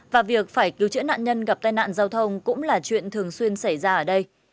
và việc phải cứu chữa nạn nhân gặp tai nạn giao thông cũng là chuyện thường xuyên xảy ra ở đây